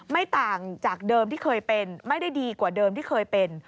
ไม่ต่างจากเดิมที่เคยเป็นไม่ได้ดีกว่าเดิมที่เคยเป็น